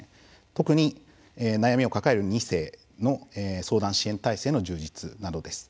特に悩みを抱える２世の相談支援体制の充実などです。